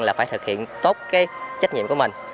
là phải thực hiện tốt cái trách nhiệm của mình